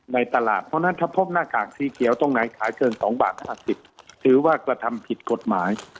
ในตลาดเพราะฉะนั้นถ้าพบหน้ากากสีเขียวตรงไหนขายเกิน๒บาท๕๐ถือว่ากระทำผิดกฎหมาย